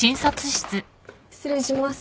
失礼します。